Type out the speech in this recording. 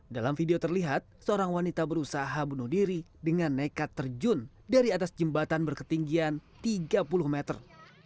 dalam video terlihat seorang wanita berusaha bunuh diri dengan nekat terjun dari atas jembatan berketinggian tiga puluh meter